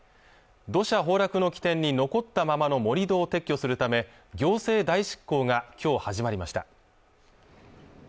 土砂崩落の起点に残ったままの盛り土を撤去するため行政代執行が今日始まりました